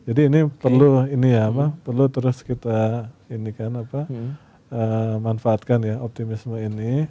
jadi ini perlu ini ya apa perlu terus kita ini kan apa manfaatkan ya optimisme ini